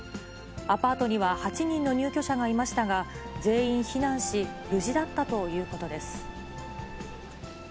アパートには８人の入居者がいましたが、全員避難し、無事だったということです。